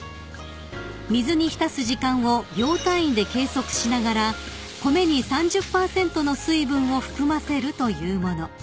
［水に浸す時間を秒単位で計測しながら米に３０％の水分を含ませるというもの］